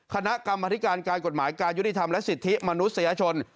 คณะกรรมธิการการกฎหมายการยุติธรรมและสิทธิมนุษยชน